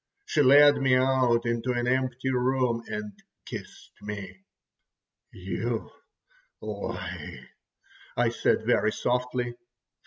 She led me out into an empty room and kissed me. "You lie," I said very softly.